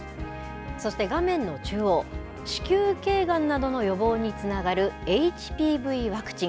そして画面の中央、子宮けいがんなどの予防につながるＨＰＶワクチン。